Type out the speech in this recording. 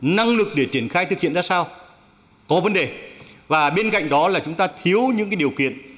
năng lực để triển khai thực hiện ra sao có vấn đề và bên cạnh đó là chúng ta thiếu những điều kiện